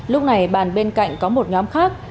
lúc này bàn bên cạnh có một nhóm khác